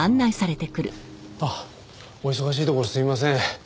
あっお忙しいところすいません。